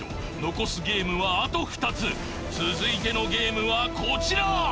残すゲームはあと２つ続いてのゲームはこちら！